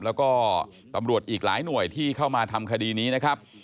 แล้วก็ตำรวจอีกหลายหน่วยที่เข้ามาทำคดีนี้นะครับ